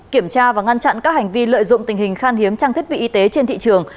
kiểm tra và ngăn chặn các hành vi lợi dụng tình hình khan hiếm trang thiết bị y tế trên thị trường